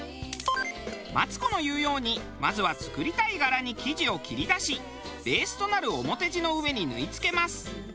マツコの言うようにまずは作りたい柄に生地を切り出しベースとなる表地の上に縫い付けます。